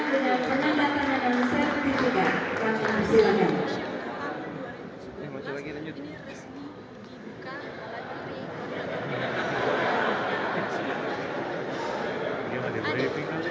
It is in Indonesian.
dilanjutkan dengan penandatangan yang sertifikat